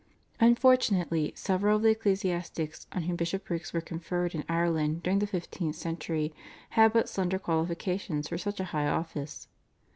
Unfortunately several of the ecclesiastics on whom bishoprics were conferred in Ireland during the fifteenth century had but slender qualifications for such a high office.